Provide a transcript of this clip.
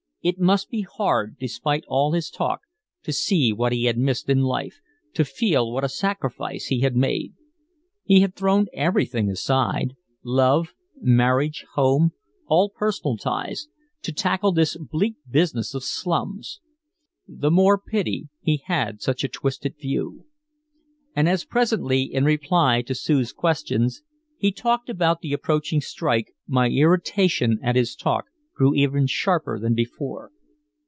It must be hard, despite all his talk, to see what he had missed in life, to feel what a sacrifice he had made. He had thrown everything aside, love, marriage, home, all personal ties to tackle this bleak business of slums. The more pity he had such a twisted view. And as presently, in reply to Sue's questions, he talked about the approaching strike, my irritation at his talk grew even sharper than before.